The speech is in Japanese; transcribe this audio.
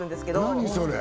何それ？